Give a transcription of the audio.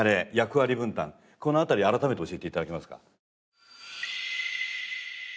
この辺り改めて教えて頂けますか？